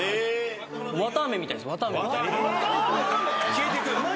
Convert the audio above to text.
・消えてく？